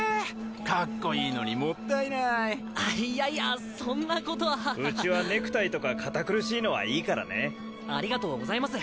かっこいいのにもったいないあっいやいやそんなことはうちはネクタイとか堅苦しありがとうございます。